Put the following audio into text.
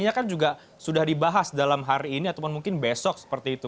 ini kan juga sudah dibahas dalam hari ini ataupun mungkin besok seperti itu